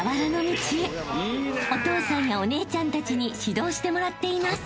［お父さんやお姉ちゃんたちに指導してもらっています］